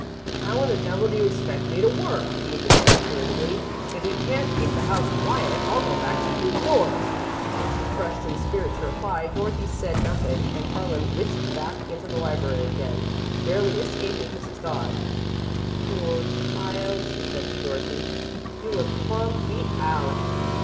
"How in the devil do you expect me to work?" he demanded, irritably. "If you can't keep the house quiet, I'll go back to New York!" Too crushed in spirit to reply, Dorothy said nothing, and Harlan whisked back into the library again, barely escaping Mrs. Dodd. "Poor child," she said to Dorothy; "you look plum beat out."